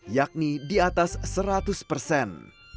yakni di atas seratus persen